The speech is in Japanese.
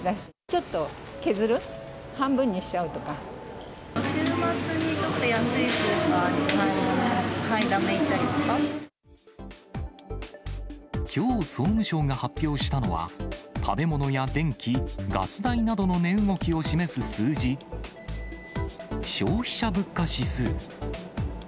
ちょっと削る、半分にしちゃうと週末にちょっと安いスーパーに買い物、きょう、総務省が発表したのは、食べ物や電気・ガス代などの値動きを示す数字、消費者物価指数。